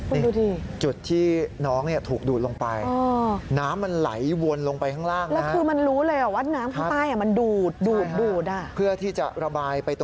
นี่จุดที่น้องถูกดูดลงไป